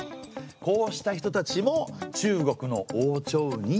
こうした人たちも中国の王朝に。